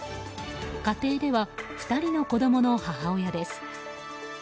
家庭では、２人の子供の母親です。